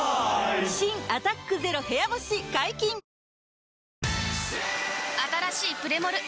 新「アタックＺＥＲＯ部屋干し」解禁‼あたらしいプレモル！